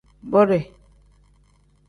Bode.